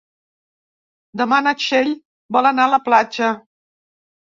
Demà na Txell vol anar a la platja.